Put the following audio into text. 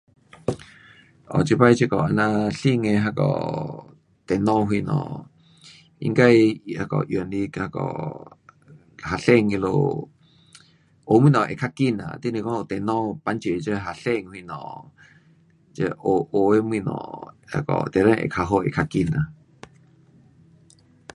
哦，这次这个新的那个电脑什么，应该是那个用来那个学生他们，学东西会较快，你若讲有电脑帮助这学生什么，这，这学的东西，定得会较好会较快啦。